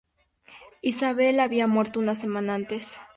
Isabel I había muerto una semana antes.